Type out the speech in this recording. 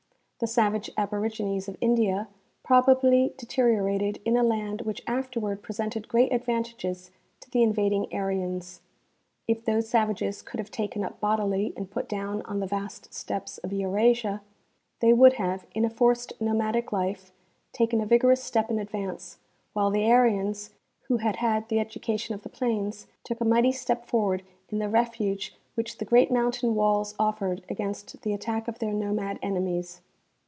The savage aborigines of India probably deteriorated in a land which afterward presented great advan tages to the invading Aryans. If those savages could have been taken up bodily and put down on the vast steppes of Eurasia, they wouldxhave, in a forced nomadic life, taken a vigorous step in advance, while the Aryans, who had had the education of the plains, took a mighty step forward in the refuge Avhich the great mountain walls offered against the attack of their nomad en emies.